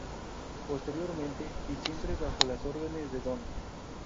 Posteriormente y siempre bajo las órdenes de Don.